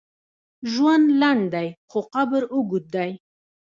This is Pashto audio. ژوند لنډ دی، خو قبر اوږد دی.